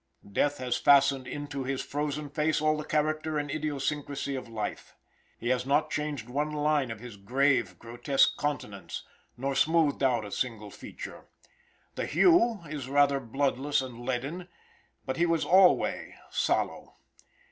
Death has fastened into his frozen face all the character and idiosyncrasy of life. He has not changed one line of his grave, grotesque countenance, nor smoothed out a single feature. The hue is rather bloodless and leaden; but he was alway sallow.